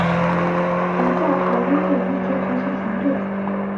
学校还拥有一支足球强队。